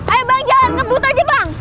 ayo bang jalan kebut aja bang